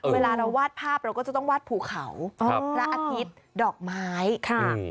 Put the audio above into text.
เวลาเราวาดภาพเราก็จะต้องวาดภูเขาพระอาทิตย์ดอกไม้ค่ะ